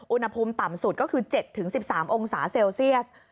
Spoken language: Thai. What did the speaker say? อุณหภูมิต่ำสุดก็คือ๗๑๓องศาเซลเซียส